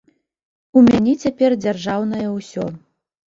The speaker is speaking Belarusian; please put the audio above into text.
У мяне цяпер дзяржаўнае ўсё.